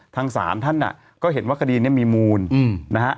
ทางศาลท่านก็เห็นว่าคดีนี้มีมูลนะฮะ